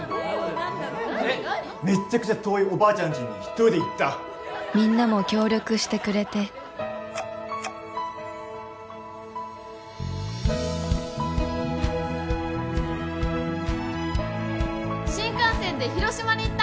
何だろうめっちゃくちゃ遠いおばあちゃんちに１人で行ったみんなも協力してくれて新幹線で広島に行った！